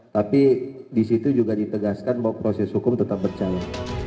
tapi di situ juga ditegaskan bahwa proses hukum tetap bercara